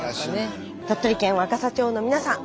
鳥取県若桜町の皆さん